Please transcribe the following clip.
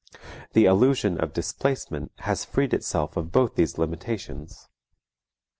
The allusion of displacement has freed itself of both these limitations.